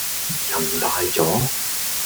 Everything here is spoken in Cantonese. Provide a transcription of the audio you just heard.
人大咗